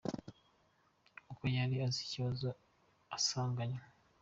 " Kuko yari azi ikibazo asanganywe.